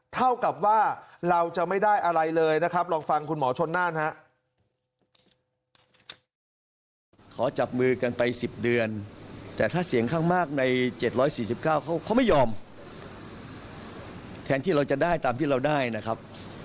เท่ากับว่าเราจะไม่ได้อะไรเลยนะครับ